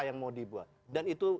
yang mau dibuat dan itu